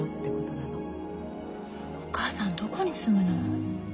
お母さんどこに住むの？